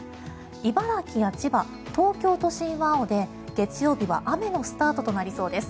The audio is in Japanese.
茨城や千葉、東京都心は青で月曜日は雨のスタートとなりそうです。